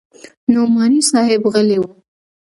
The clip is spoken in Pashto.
نعماني صاحب غلى و.